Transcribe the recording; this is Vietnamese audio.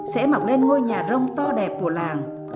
sẽ mọc lên ngôi nhà rông to đẹp của làng